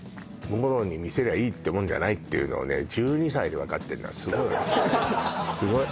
もろに見せりゃいいってもんじゃないっていうのをね１２歳で分かってるのはすごいわすごい